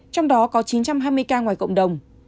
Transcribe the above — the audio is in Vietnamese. trong đó có chín trăm hai mươi ca ngoài cộng đồng